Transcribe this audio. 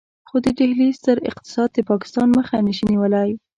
خو د ډهلي ستر اقتصاد د پاکستان مخه نشي نيولای.